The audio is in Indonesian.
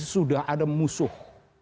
sudah ada musuh